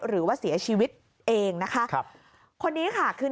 หรือว่าเสียชีวิตเองนะคะครับคนนี้ค่ะคือ